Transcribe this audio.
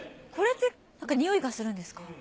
これってなんかにおいがするんですか？